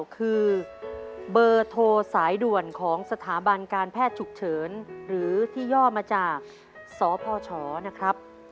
คือเบอร์โทรสายด่วนของสถาบันการแพทย์ฉุกเฉินหรือที่ย่อมาจากสพชนะครับ